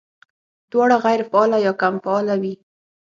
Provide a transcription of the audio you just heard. دواړه غېر فعاله يا کم فعاله وي